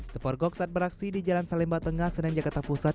tepor gok saat beraksi di jalan salimba tengah senen jakarta pusat